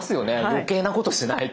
余計なことしない。